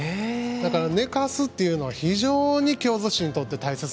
だから寝かすっていうのは非常に京寿司にとって大切なことなんですね。